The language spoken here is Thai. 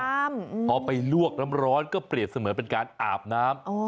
พอไปลวกน้ำร้อนก็เปรียบเสมอเป็นการอาบน้ำ